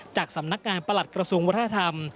จากสำนักงานประหลัดกระทรวงวัฒนธรรม